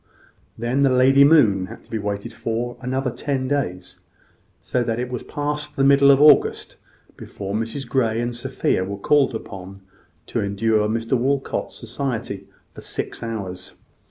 Then the lady moon had to be waited for another ten days; so that it was past the middle of August before Mrs Grey and Sophia were called upon to endure Mr Walcot's society for six hours.